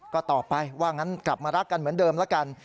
ก็ตอบไปว่างั้นกลับมารักกันเหมือนเดิมแล้วกัน